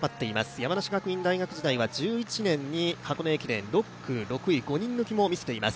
山梨学院大学時代は１１年に箱根駅伝６区６位、５人抜きも見せています